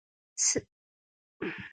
هغه وويل چې دا د چينايانو ګسټ هوزونه دي.